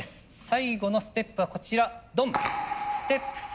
最後のステップはこちらドン！